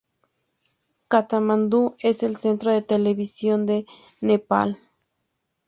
Katmandú es el centro de televisión de Nepal.